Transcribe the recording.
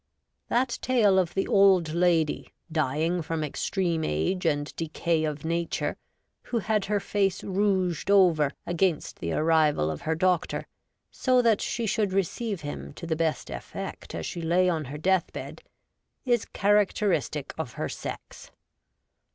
That tale of the old lady, dying from extreme age and decay of nature, who had her face rouged over against the arrival of her doctor, so that she should receive him to the best effect as she lay on her death bed, is characteristic of her sex.